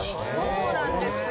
そうなんです。